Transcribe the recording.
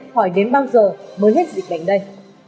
hỏi đến bao giờ mới hết dịch bệnh đây